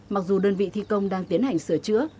mặc dù đơn vị thi công đang tiến hành sửa chữa